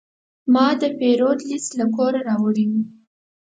ما د پیرود لیست له کوره راوړی و.